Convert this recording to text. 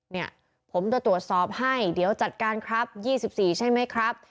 เนี่ยผมจะตรวจสอบให้เดี๋ยวจัดการครับ๒๔ใช่ไหมครับ